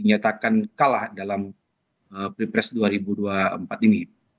menyatakan kalah dalam pilpres dua ribu dua puluh empat ini